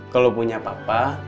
kalau punya papa